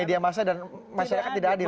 jadi kalau sekarang tidak adil